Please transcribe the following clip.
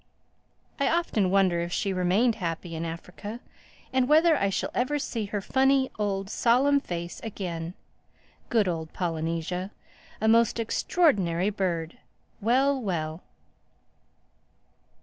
I often wonder if she remained happy in Africa, and whether I shall ever see her funny, old, solemn face again—Good old Polynesia!—A most extraordinary bird—Well, well!"